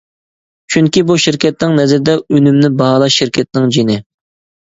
چۈنكى بۇ شىركەتنىڭ نەزىرىدە ئۈنۈمنى باھالاش شىركەتنىڭ جېنى.